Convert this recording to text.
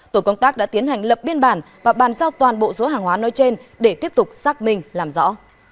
tổ công tác đã tiến hành lập biên bản và bàn giao toàn bộ số hàng hóa nơi trên để tiếp tục xác minh làm rõ